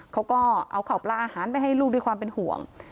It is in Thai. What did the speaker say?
เขาก็เอาข่าวปลาอาหารไปให้ลูกด้วยความเป็นห่วง